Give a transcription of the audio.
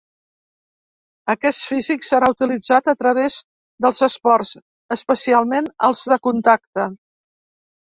Aquest físic serà utilitzat a través dels esports, especialment els de contacte.